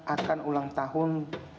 akan ulang tahun